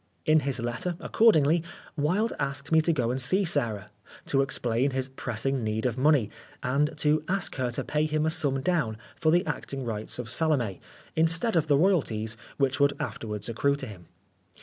In his letter, accordingly, Wilde asked me to go and see Sarah, to explain his pressing need of money, and to ask her to pay him a sum down for the acting rights of Salomd, instead of the royalties which would afterwards accrue to him.